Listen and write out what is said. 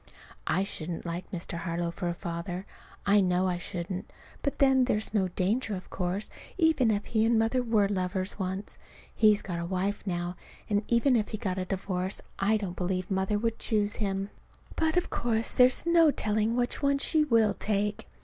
I shouldn't like Mr. Harlow for a father. I know I shouldn't. But then, there's no danger, of course, even if he and Mother were lovers once. He's got a wife now, and even if he got a divorce, I don't believe Mother would choose him. But of course there's no telling which one she will take.